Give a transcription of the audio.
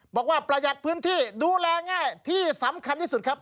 ประหยัดพื้นที่ดูแลง่ายที่สำคัญที่สุดครับ